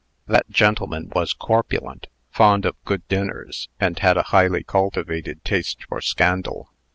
That gentleman was corpulent, fond of good dinners, and had a highly cultivated taste for scandal.